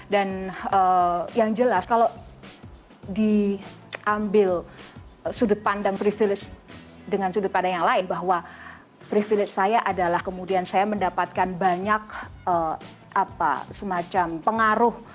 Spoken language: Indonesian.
dan yang jelas kalau diambil sudut pandang privilege dengan sudut pandang yang lain bahwa privilege saya adalah kemudian saya mendapatkan banyak semacam pengaruh